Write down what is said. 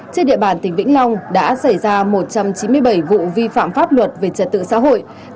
trên địa bàn tỉnh vĩnh long đã xảy ra một trăm chín mươi bảy vụ vi phạm pháp luật về trật tự xã hội